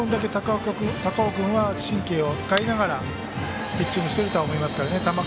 その分だけ高尾君は神経を使いながらピッチングしていると思いますが。